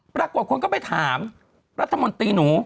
ปรากฏคนก็ไปถามรัฐมนตรีหนู